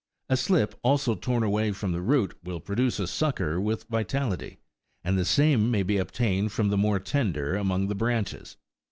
A slip also torn away from the root will produce a sucker with vitality, and the same may be obtained from the more tender among the branches.